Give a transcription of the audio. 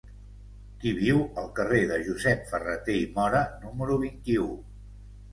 Qui viu al carrer de Josep Ferrater i Móra número vint-i-u?